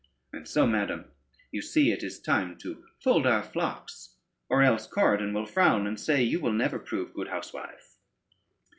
And so, madam, you see it is time to fold our flocks, or else Corydon will frown and say you will never prove good housewife."